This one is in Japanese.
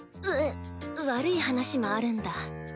えっ悪い話もあるんだ。